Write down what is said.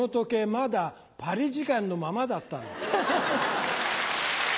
まだパリ時間のままだったの。